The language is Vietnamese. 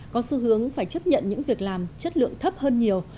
có xu hướng phải chấp nhận những việc làm chất lượng thấp hơn nhiều